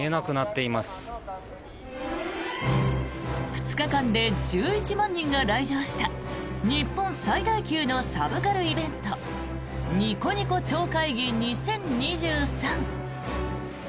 ２日間で１１万人が来場した日本最大級のサブカルイベントニコニコ超会議２０２３。